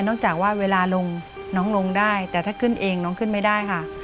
จากว่าเวลาลงน้องลงได้แต่ถ้าขึ้นเองน้องขึ้นไม่ได้ค่ะ